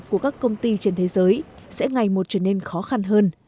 của các công ty trên thế giới sẽ ngày một trở nên khó khăn hơn